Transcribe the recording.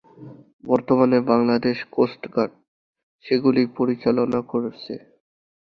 বর্তমানে Bangladesh coast guard সেগুলি পরিচালনা করছে।